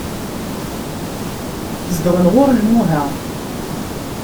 Zedɣen ɣur Imuha.